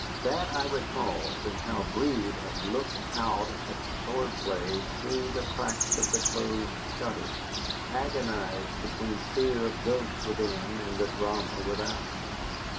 That I recalled, and how Breed had looked out at the sword play through the cracks of the closed shutters, agonized between fear of ghosts within and the drama without.